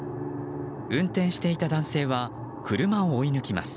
運転していた男性は車を追い抜きます。